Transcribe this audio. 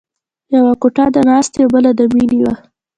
یوه کوټه د ناستې او بله د مینې وه